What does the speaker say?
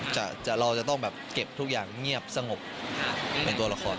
เราจะต้องแบบเก็บทุกอย่างเงียบสงบเป็นตัวละคร